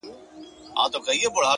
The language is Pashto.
لوستل فکرونه روښانوي!